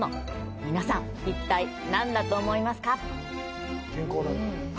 皆さん、一体、何だと思いますか？